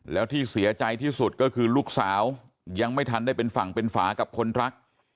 แล้วที่เสียใจที่สุดก็คือลูกสาวยังไม่ทันได้เป็นฝั่งเป็นฝากับคนรัก